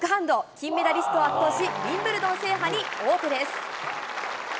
金メダリストを圧倒し、ウィンブルドン制覇に王手です。